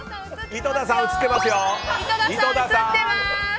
井戸田さん、映ってますよ！